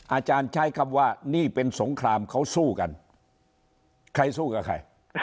อาจารย์ใช้คำว่านี่เป็นสงครามเขาสู้กันใครสู้กับใคร